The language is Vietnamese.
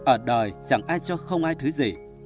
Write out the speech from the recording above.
ở đời chẳng ai cho không ai thứ gì